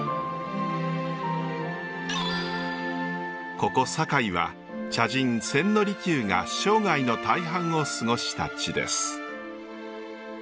ここ堺は茶人千利休が生涯の大半を過ごした地です。